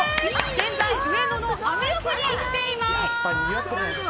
現在、上野のアメ横に来ています。